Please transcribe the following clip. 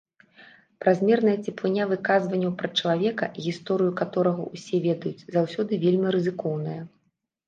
Празмерная цеплыня выказванняў пра чалавека, гісторыю каторага ўсе ведаюць, заўсёды вельмі рызыкоўная.